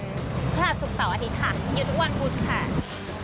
ถ้าสุขเสาร์อาทิตย์ค่ะอยู่ทุกวันพุธค่ะ